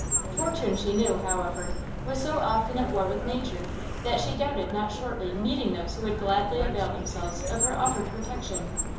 Fortune she knew, however, was so often at war with Nature, that she doubted not shortly meeting those who would gladly avail themselves of her offered protection.